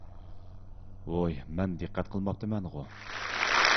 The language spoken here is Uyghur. ۋوي مەن دىققەت قىلماپتىمەنغۇ؟